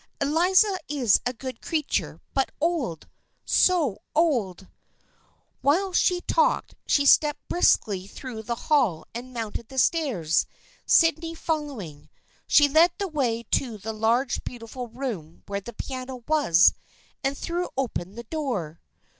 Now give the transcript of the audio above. Eliza is a good creature, but old ! So old !" While she talked she stepped briskly through the hall and mounted the stairs, Sydney follow ing. She led the way to the large beautiful room where the piano was, and threw open the door.